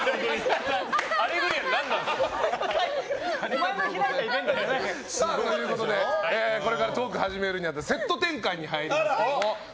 「アレグリア」の何なんですか。ということでこれからトーク始めるに当たってセット転換に入ります。